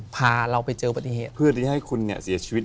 พาเราไปเจอปฏิเหตุเพื่อที่ให้คุณเนี่ย